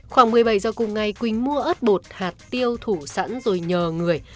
khoảng một mươi bảy giờ cùng ngày quỳnh mua ớt bột hạt tiêu thủ sẵn rồi nhờ người